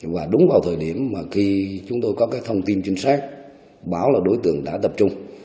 và đúng vào thời điểm mà khi chúng tôi có cái thông tin trinh sát báo là đối tượng đã tập trung